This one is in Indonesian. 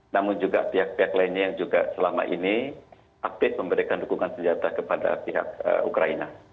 namun juga pihak pihak lainnya yang juga selama ini aktif memberikan dukungan senjata kepada pihak ukraina